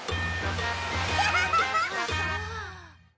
ハハハハッ！